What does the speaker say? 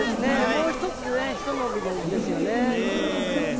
もうひと伸びですよね。